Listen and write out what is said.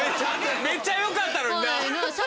めっちゃよかったのにな。